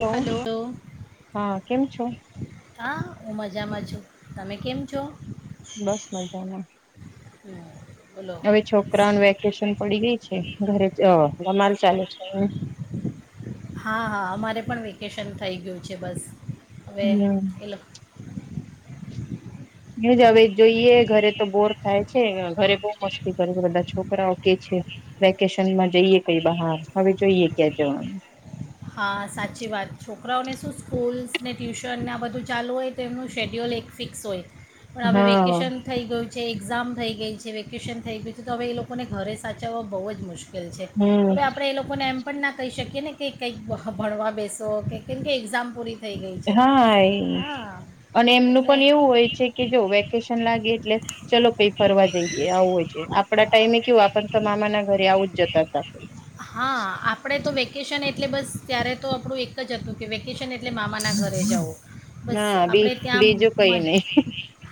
[unintelligible] Hello હા કેમ છો. હા હું મજામાં છું, તમે કેમ છો. બસ મજા ના. [inaudible] હવે છોકરાઓને વેકેશન પડી ગઈ છે, ઘરે [unintelligible] ચાલે છે. હા હા અમારે પણ વેકેશન થઈ ગયું છે, બસ. હવે હમ એ લોકો [unintelligible] જોઈએ ઘરે તો બોર થાય. ઘરે બહ મસ્તી કરે છે, બધા છોકરાઓ કે છે, વેકેશનમાં જઈએ કઈ બહાર હવે જોઈએ ક્યાં જવાનું. હા સાચી વાત છોકરાઓને શું સ્કૂલ્સ ને ટ્યુશનને આ બધું ચાલુ હોય તો એમનું શેડ્યુલ એક ફિક્સ હોય. પણ હવે હા વેકેશન થઈ ગયું. જે એક્ઝામ થઈ ગઈ છે, વેકેશન થઈ ગય છે, તો હવે એ લોકોને ઘરે સાચવવા બહુ જ મુશ્કેલ. [unintelligible] હવે હમ આપણે એ લોકોને એમ પણ ના કહી શકીએ. [unintelligible] કંઈક ભણવા બેસો કે કેમ કે એક્ઝામ પૂરી. થઈ ગઈ છે હા એ હા અને એમનું એટલે પણ એવું હોય છે, કે જો વેકેશન લાગે એટલે ચલો કઈ ફરવા જઈએ આવું હોય છે. આપડા ટાઈમે કવું આપ પણ તો મામાના ઘરે આવું જતા [unintelligible] હા આપણેે તો વેકેશ એટલે બસ ત્યારે તો આપડું એક જ હતું કે વેકેશન એટલે મામાના ઘરે જવ. બસ હા બી આપડે [unintelligible] ત્યાં બીજું કઈ નઈ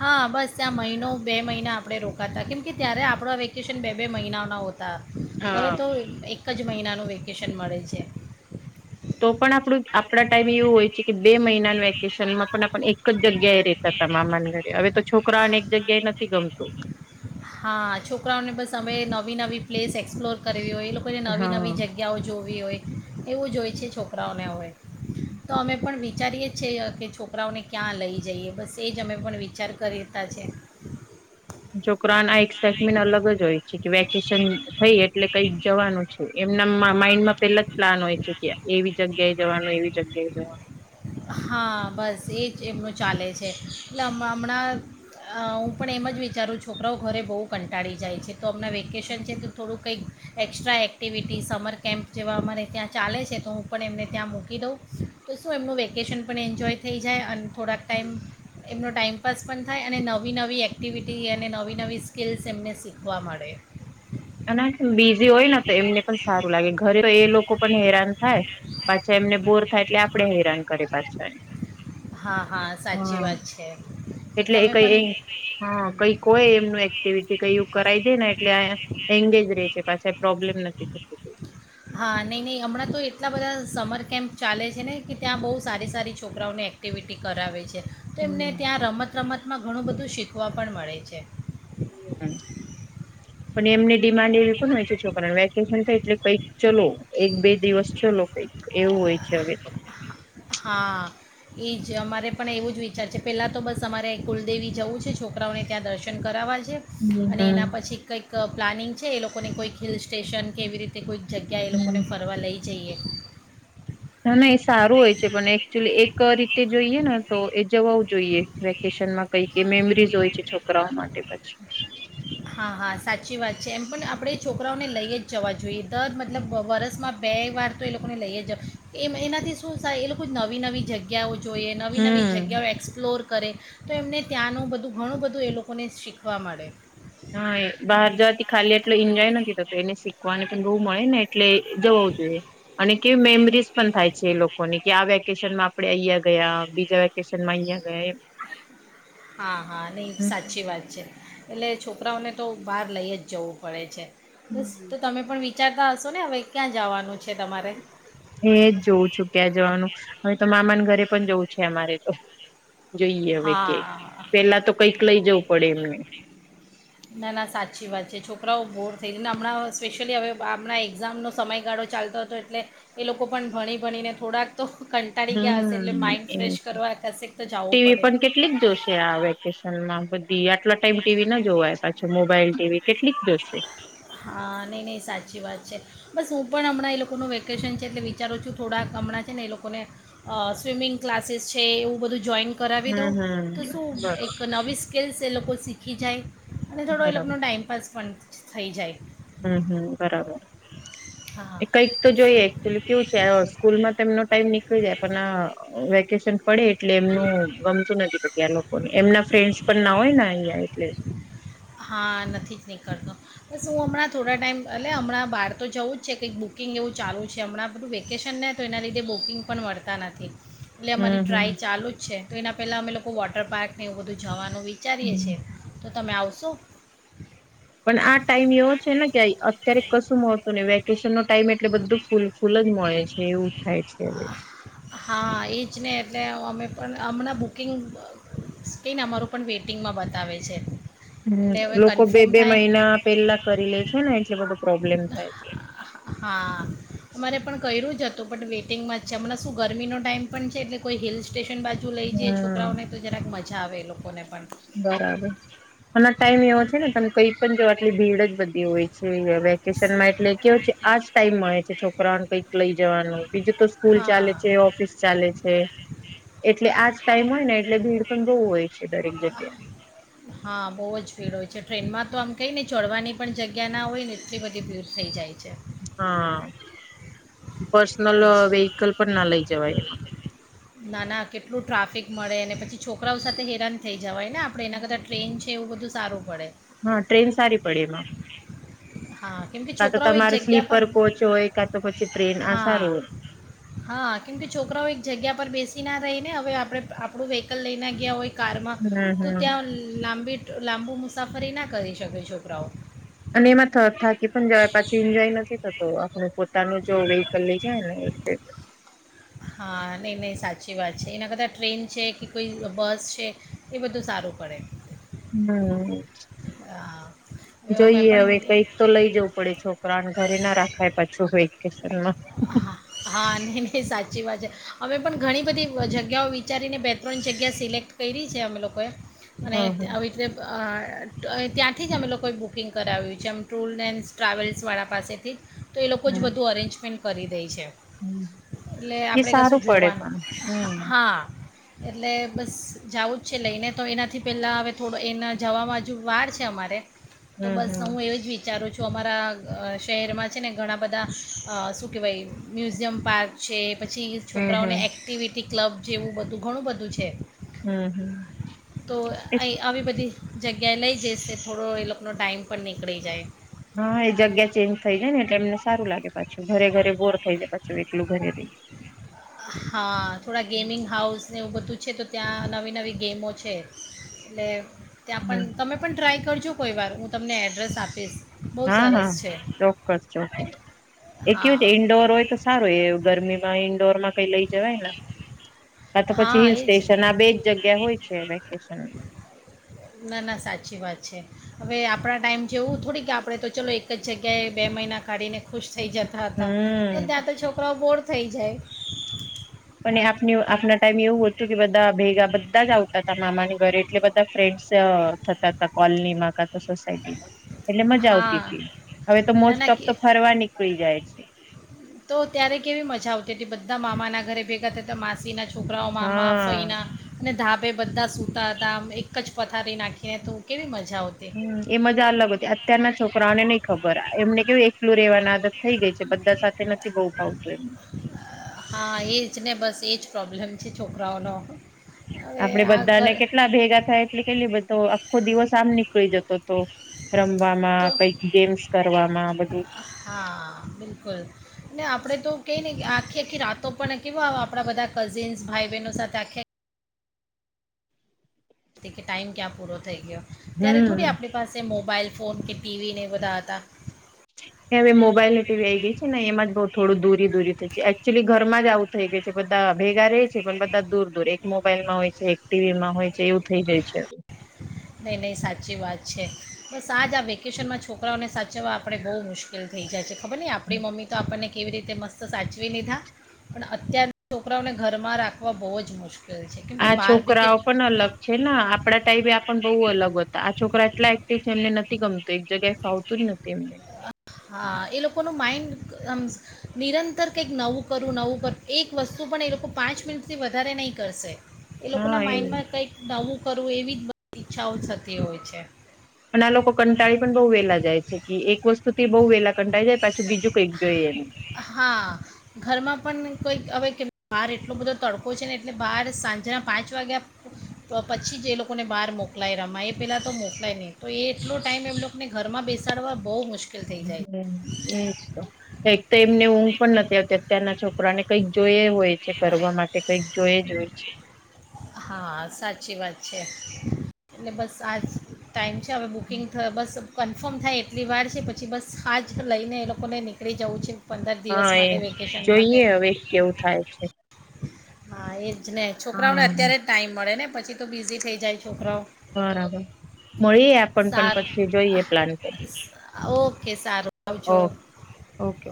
હા બસ. ત્યાં મહિનો બે મહિના આપણે રોકાતા કેમ કે ત્યારે આપણો વેકેશન બે બે મહિનાના હોતા હા હવે તો [unintelligible] એક જ મહિનાનું વેકેશન મળે છે. તો પણ આપણું. આપડા ટાઈમ એવું હોય છે, કે બે મહિનાના વેકેશનમાં પણ આપ એક જ જગ્યાએ રેતા હતા મામાના ઘરે હવે તો છોકરા અનેક જગ્યાએ નથી ગમતું. હા છોકરાઓને બસ અમે નવી પ્સ એસ્લોર કર હોય એ લોકોને નવી હા. નવી જગ્યાઓ જોવી હોય. એવું જોય છે છોકરાઓને હવે. તો અમે પણ વિચારીએ છે કે છોકરાઓને ક્યાં લઈ જઈએ બસ. તે જ અમે પણ વિચાર કરતા છે. છોકરાન આ એક સેગમેન્ટ અલગ જ હોય છે કે વેકેશન થઈ એટલે કઈક જવાનું છે, એમના માઇન્ડ માં પેલા જ પ્લાન હોય છે કે એવી જગ્યાએ જવાનું એવી જગ્યાએ જવાનું. હા બસ એ જ એમનું ચાલે છે, એટલે હમણાં હું પણ એમ જ વિચારું છોકરાઓ ઘરે બહુ કંટાળી જાય છે. તો હમણાં વેકેશન છે તો થોડુંક કંઈક એક્સ્ટ્રા એક્ટિવિટીઝ સમર કેમ્પ જેવા અમારે ત્યાં ચાલે છે તો હું પણ એમને ત્યાં મૂકી દઉં, તો શું એમનું વેકે વેકેશન પણ એન્જોય થઈ જાય અને- ખોરાક ટાઈમ એમનો ટાઈમ તપાસ પણ થાય અને નવી નવી એક્ટિવિટી અને નવી નવી સ્કિલ્લ્સ એમને શીખવા મળે. અને બીઝી હોય ને તો એમને પણ સારું લાગે ઘરે તો એ લોકો પણ હેરાન થાય પાછા એમને બોર થાય એટલે આપ ધન કરી પાછા. હા હા સાચી હા, વાત છે તો એટલે તમે કઈ એ પણ હ કઈ કોય એમનું એક્ટિવિટી કઈું કરાવ દે ને એટલે એંગેજ ર છે પાછા પ્રોબ્લેમ નથી. [unintelligible] હા નહીં નહીં હમણાં તો એટલા બધા સમર કેમ્પ ચાલે છે ને કે ત્યાં બહુ સારી સારી છોકરાઓને એક્ટિવિટી કરાવે છે. તો એમને હમ. ત્યાં રમત રમત ભતમાં ઘણું બધું શીખવા પણ મળે છે. અને એમને ડિમાન્ડ એવી પણ હોય છે છોકરાને વેકેશન થાય એટલે કઈક ચલો એક બે દિવસ ચલો કંઈક એવું હોય છે હવે. હા, એ જ અમારે પણ એવું જ વિચાર છે પહેલાં તો બસ અમારે કુલદેવી જવું છે છોકરાઓને ત્યાં દર્શન કરાવવા જ છે, અને હમ એના પછી કંઈક પ્લાનિંગ છે એ લોકો કોને કોઈ હિલ સ્ટેશન. કેવી રીતે કોઈ જગ્યા એ લોકો ને ફરવા લઈ જઇએ. ના ના એ સારું હોય છે પણ એકચ્યુઅલી એક રીતે જોઈએ ને તો એ જવા જોઈએ વેકેશનમાં કઈક કે મેમરીઝ હોય છે છોકરાઓ માટે પછી. [inaudible] હા હા સાચી વાત છે, એમ પણ આપણે એ છોકરાઓને લઈ જ જવા જોઈએ દર મતલબ વરસમાં બે વાર તો એ લોકોને લઈ જ એમ એનાથી શું એ લોકો નવી નવી જગ્યાઓ. જોઈએ નવી નવી હમ. જગ્યાઓ એક્સપ્લોર કરે તો એમને ત્યાંનું બધું ઘણું બધું એ લોકોને શીખવા મળે. હા એ બહાર જવાથી ખાલી એટલો એન્જોય નથી થતો એને શીખવાને પણ બવું મળે ને એટલે જવ જોઈએ અને કેવી મેમરીઝ પણ થાય છે, એ લોકોની કે આ વેકેશન માં આપડે અહયા ગયા. બીજા વેકેશનમાં અહિયાં ગયા એ હા હા નહ સાચી વાત છે. એટલે છોકરાઓને તો બહાર લઈ જ જવું પડે છે. બસ હમ. તો તમે પણ જા હશો ને હવે ક્યાં જવાનું છે. તમારે એજ જોઉં છું ક્યાં જવાનું હવે તો મામા ઘરે પણ જવું છે, અમારે તો. જોઈએ હવે કે હા પેલા તો કઈક લઈ જવું પડે એમને ના ના સાચી વાત છે, છોકરી થોડા બોર થઈ ગને હમણાં સ્પેશિયલી હવે આપણાં એક્ઝામનો સમયગાળો ચાલતો હતો એટલે એ લોકો પણ ભણી ભણીને થોડાક તો કંટાળી ગયા હશે એટલે હમ માઇન્ડ એ ફ્રેશ કરવા હશે તો જવું ટીવી પડે. પણ કેટલીક જોશે આ વેકેશન. [unintelligible] મોબાઈલ ટીવી કેટલીક જોશે [inaudible] હા નઈ નહી સાચી વાત છે. બસ હું પણ હમણાં એ લોકોનું વેકેશન છે, એટલે વિચારું છું, થોડાક હમણાં છે ને એ લોકોને સ્વિમિંગ ક્લાસીસ છે, એવું બધું જોઈન. કરાવી દઉં હમ હમ તો શું બરોબર એક નવી [unintelligible] [unintelligible] લોકો શીખી જાય. અને થોડો એ બરાબર લોકો ન ટાઈઇમપાસ પણ. થઈ જાય. હમ હમ બરાબર. એ કઈક તો જોઈએ એકચુલી કેવું છે, સ્કૂલમાં તેમનો ટાઈમ નીકળી જાય પણ વેકેશન. પડે એટલે એમનું ગમતું નથી [unintelligible] એમના ફ્રેન્ડ પણ ના હોય ને અહં એટલે. હા નથી જ નીકળતો બસ હું હમણાં થોડા ટાઈમ એટલે હમણાં બહાર તો જવું જ છે, કંઈક બુકિંગ એવું ચાલું છે, હમણાં બધું વેકેશન તો એના લીધે બુકિંગ પણ મળતા નથી. એટલે અમારી હમ ટ્રાય ચાલુ જ છે, તો એના પેલા અમે લોકો. [unintelligible] વોટર પાર્ક ને એવું બધું જવાનું. વિચારીએ છે, હમ તો તમે આવશો. શું પણ આ ટાઈમ એવો છે ને જાય કે અત્યારે કશું મળતું નઈ વેકેશનનો ટાઈમ એટલે બધું ફૂલ ફૂલ જ હોય છે એવું થાય છે હવે. હા એ જ ને એટલે અમે પણ હમણાં બુકિંગ કેયને અમારું પણ વેઇટિંગમાં બતાવે છે. હમ એટલે હવે લોકો બે કન્ફર્મ બે થાય મહિના પેહલા કરી લે છે ને એટલે બધો પ્રોબ્લેમ થાય છે. હા અમારે પણ કઈ જ હતું પણ વેટિંગમાં જ છે હમણાં શું ગરમીનો ટાઈમ પણ છે એટલે કોઈ હિલ્સ સ્ટેશન બાજુ લઈ જઈ હમ છોકરાઓને તો જરાક મજા જા આવે એ લોકોને. પણ બરાબર અને ટાઈમ એવો છે ને તમે કઈ પણ જાવ આટલી ભીડ જ બધી હોય. વેકેશનમાં એટલે કેવો છે આજ ટાઈમ મળે છે છોકરાઓને કઈક લઈ જવાનો બીજું તો સ્કૂલ હા ચાલે છે, ઓફિસ ચાલે છે એટલે આજ ટાઈમ હોય ને એટલે ભીડ પણ બહુ હોય છે દરેક જગ્ હા બહુ જ ભીડ હોય છે ટ્રેનમાં તો આમ કેયને ચડવાની પણ જગ્યા ના હોય ને એટલી બધી ભીડ થઈ જાય છે. હા. પર્સનલ એ જ વેહિકલ પણ ના લઈ જવાય યા. નાના કેટલું ટ્રાફિક મળે અને પછી છોકરાઓ સાથે હેરાન થઈ જવાય ને આપણે એના કરતાા ટ્રેન છે એવું બધું સારું પડે. હા ટ્રેન સારી પડે એમાં હા કેમ કે કા તો છોકરાઓ એક તમારે જગ્યા પર સ્લીપર કોચ હોય કાં તો પછી ટ્રેન હા સારું હા કેમ કે છોકરાઓ એક જગ્યા પર બેસી ના રહીને હવે આપડે આપડું વેહિકલ લઈને ગયા હોય કારમાં હોય તો હમ હમ ત્યાં લાંબી લાંબુ મુસાફરી ના કરી શકે છોકરાઓ. અને એમાં થ થાકી પણ જવાય પાછું એન્જોય નથી થતો આપણું પોતાનું જો વેહિકલ લઈ જાયને એટલે હા નહીં નહીં સાચી વાત છે એના કરતા ટ્રેન છે કે કોઈ બસ છે એ બધું સારું પડે. હમ્મ. હા હવે હું મેં જોઈએ પણ હવે કઈક તો લઈ જવું પડે છોકરાને ઘરે ના રાખાય પાછું વેકેશનમાં. ચી વાત છે અમે પણ ઘણી બધી જગ્યાઓ વિચારીને બે ત્રણ જગ્યા સિલેક્ટ કયરી છે અમે લોકોએ અને હમ હમ આવી રીતે અ ત્યાંથી જ અમે લોકોએ બુકિંગ કરાવ્યું છે આમ ટૂર એન્ડ ટ્રાવેલ્સવાળા પાસેથી જ તો એ લોકો જ હમ બધું અરેન્જમેન્ટ કરી દેય છે હમ એટલે એ આપણે કશું સારું પડે જોવાનું પણ હમ હા. એટલે બસ જાવું જ છે લઈને તો એનાથી પેહલા હવે થોડો એના જવામ વાર છે અમારે તો બસ હમ હું એવ જ વિચારું છું તો અમારા શહેરમાં છે ને ઘણા બધા અ શું કહેવાય મ્યુઝિયમ પાર્ક છે. પછી હમ છોકરાઓને હમ એક્ટિવિટી ક ક્લબ જેવું બધું ઘણું બધું છે. હમ હમ હમ તો એ અઈ આવી બધી જગ્યાએ લઈ જઈશે થોડો એ લોકોનો ટાઈમ પણ નીકળી જાય. હા એ જગ્યા ચેન્જ થઈ જાય ને એટલે એમને સારું લાગે પાછું ઘરે ઘરે બોર થઈ જાય પાછું એકલું ઘરે રહી. હા થોડા ગેમિંગ હાઉસ ને એવું બધું છે તો ત્યાં નવી નવી ગેમો છે. એટલે ત્યાં પણ, હમ તમે પણ ટ્રાય કરજો કોઈ વાર હું તમને એડ્રેસ આપીશ. બહુ હા સરસ હા, છે ચોક્કસ ચોક્કસ, એ હા કેવું છે ઈન્ડોર હોય તો સારું ગરમી ઈન્ડોર માં કઈ લઈ જવાય ને. આ તો પછી હા હિલ એ જ ને સ્ટેશન આ બેજ જગ્યા હોય છે વેકેશન. ના ના સાચી વાત છે હવે આપણા ટાઈમ જેવું થોડીક આપડે તો ચાલ એક જગ્યાએ બે મહિના કાઢીને ખુશ થઈ જતા હતા. હમ ત્યાં તો છોકરાઓ બોર્ડ થઈ જાય. ને આપ ન્યૂ આપના ટાઈમ એવું હતું કે બધા ભેગા બધા જ આવતા હતા મામાની ઘરે એટલે બધા ફ્રેન્ડસ થતા હતા કોલનીમાં કા તો સોસાયટીમાં. એટલે મજા આવતી હા તી હવે તો ના મોસ્ટ ના ઓફ કે તો ફરવા નીકળી જાય છે. તો ત્યારે કેવી મજા આવતી હતી બધા મામાના ઘરે ભેગા થતા માસીના ક્રોમામા હા ફયના, ને ધા એ બધા સુ તા તા એક જ પથારી નાખી એ તું કેવી મજા આવતી હમ્મ, એ મજા અલગ હતી અત્યારના છોકરાઓને ન ખબર એમને કેવું એકલું રેવાની આદત થઈ ગઈ છે બધા સાથે નથી બહુ ભાવતું એ હા એ જ ને બસ એ જ પ્રોબ્લેમ છે છોકરાઓનો. હવે આપડે આ બધાને ઘર કેટલા ભેગા થાય એટલી કેલી બધ તો આખો દિવસ આમ નીકળી જતો હતો. રમવામાં, તો કઈક ગેમ્સ કરવામાં બધું. આપડે તો કઈ ને આખી આખી રાતો પણ કેવા આપડા બધા કઝિન્સ ભાઈ બહેનો સાથે આખી કે ટાઈમ ક્યાં પૂરો થઈ ગયો. ત્યારે હમ થોડી આપણી પાસે મોબાઈલ ફોન કે ટી વી ને એ બધા હતા. કે હવે મોબાઈલ ને ટી વી આ આવી ગઈ છે ને એમાં જ બઉ થોડું દૂરી દૂરી એકચ્યુલી ઘરમાં જ આવું થઈ ગયું છે. બધા ભેગા રહેે છે પણ બધા દૂર દૂર એક મોબાઈલમાં હોય છે, એક ટી વી માં હોય છે. એવું થઈ જાય છે નહી નહીં સાચી વાત છે. બસ આજ આ વેકેશનમાં છોકરાઓને સાચવવા આપણે બહુ મુશ્કેલ થઈ જાય છે. ખબર ની આપણી મમ્મી તો આપણને કેવી રીતે મસ્ત સાચવી લીધા. પણ અત્યારના છોકરાઓને ઘરમાં રાખવા બહુ જ મુશ્ કેલ છે. કેમ કે આ બાર બી છોકરાઓ પણ અલગ છે ને આપડા ટાઈપ એ પણ બહુ અલગ હતા. આ છોકરા એટલા એક્ટિવ છે એમને નથી ગમતું એક જગ્યાએ ફાવતું જ નથી એમને હા એ લોકો નું માઇન્ડ આમ નિરંતર કંઈક નવું કરું નવું કરું એક વસ્તુ પણ એ લોકો પાંચ મિનિટથી વધારે નહીં કરશે. એ લોકો ના માઇન્ડ માં કઈક નવું કરવું એવી જ ઈચ્છાઓ થતી હોય છે. પણ આ લોકો કંટાળી પણ બહુ વેલા જાય છે કે એક વસ્તુ થી બહુ વેલા કંટાળી જાય પછી બીજું કંઈક જોઈએ. હા ઘરમાં પણ કોઈક હવે કે બહાર એટલો બધો તડકો છે ને એટલે બહાર સાંજના પાંચ વાગ્યા પછી જ એ લોકોને બહાર મોકલાય રમા એ પેલાં તો મોકલાય નહીં તો એટલો ટાઈમ એમ લોકોને ઘરમાં બેસાડવા બહુ મુશ્ હમ્મ એજ તો, એક તો એમને ઊંઘ પણ નથી આવતી અત્યારના છોકરાને કંઈક જોઈ હોય છે કરવા માટે કંઈક જોય જ હોય છે. છે હા સાચી વાત છે એટલે બસ આજ ટાઈમ છે હવે બુકિંગ થયો બસ કન્ફર્મ થાય એટલી વાર છે પછી બસ હા જ લઈને એ લોકોને નીકળી જવું છે. પંદર હા દિવસ એ માટે વેકેશન માટે જોઈએ હવે કેવું થાય છે. હા એ જ ને છોકરાઓને અત્યારે જ હા ટાઈમ મળે ને પછી તો બીઝી થઈ જાય છોકરાઓ બરાબર મળીએ આપ પણ સારું પછી જોઈએ પ્લાન કરી ઓકે સારું આવજો ઓકે ઓકે ઓકે.